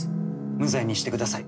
無罪にしてください。